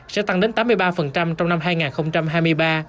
sẽ tăng đến tám mươi ba trong năm hai nghìn hai mươi ba